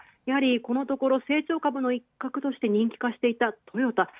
やはり、このところ成長株の一角で人気化していたトヨタ。